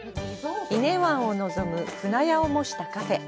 伊根湾を望む舟屋を模したカフェ。